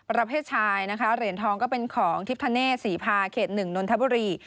ประเภทชายนะคะเหรียญทองก็เป็นของทิพธเนศศรีพาเขต๑นนทบุรี